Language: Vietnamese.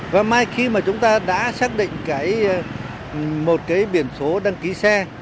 và mai khi mà chúng ta đã xác định một cái biển số đăng ký xe